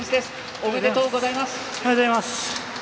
ありがとうございます！